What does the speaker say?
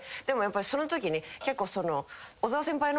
でもやっぱりそのときに結構。